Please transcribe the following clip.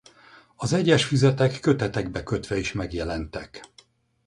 Az egyes füzetek kötetekbe kötve is megjelentek.